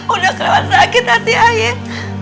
udah krewan sakit hati air